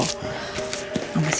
mama simpen aja